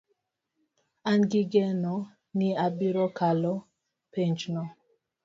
An gi geno ni abiro kalo penj no